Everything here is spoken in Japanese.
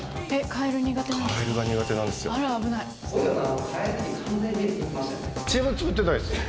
カエルが苦手なんですよ。